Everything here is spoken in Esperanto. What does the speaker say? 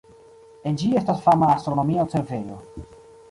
En ĝi estas fama astronomia observejo.